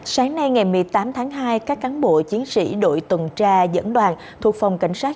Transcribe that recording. sáng nay ngày một mươi tám tháng hai các cán bộ chiến sĩ đội tuần tra dẫn đoàn thuộc phòng cảnh sát